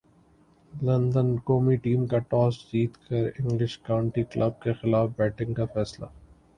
London قومی team کا toss جیت کر انگلش کانٹی کلب کیخلاف بیٹنگ کا فیصلہ